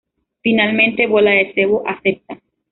Finalmente, Bola de Sebo acepta.